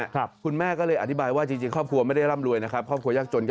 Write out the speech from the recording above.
คุณแม่ก็เลยอธิบายว่าจริงครอบครัวไม่ได้ร่ำรวยนะครับครอบครัวยากจนก็